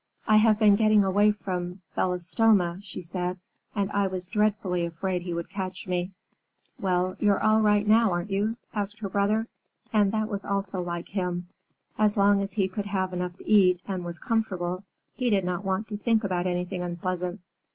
"I have been getting away from Belostoma," she said, "and I was dreadfully afraid he would catch me." "Well, you're all right now, aren't you?" asked her brother. And that was also like him. As long as he could have enough to eat and was comfortable, he did not want to think about anything unpleasant.